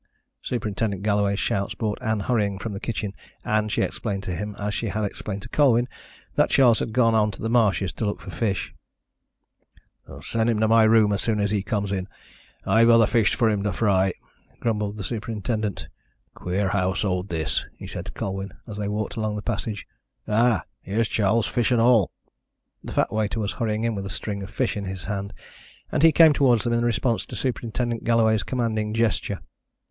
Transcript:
Superintendent Galloway's shouts brought Ann hurrying from the kitchen, and she explained to him, as she had explained to Colwyn, that Charles had gone on to the marshes to look for fish. "Send him to my room as soon as he comes in; I've other fish for him to fry," grumbled the superintendent. "A queer household this," he said to Colwyn, as they walked along the passage. "Ah, here is Charles, fish and all." The fat waiter was hurrying in with a string of fish in his hand, and he came towards them in response to Superintendent Galloway's commanding gesture.